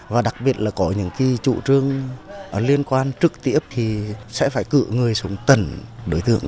và đặc biệt là có những chủ trương liên quan trực tiếp thì sẽ phải cử người xuống tận đối tượng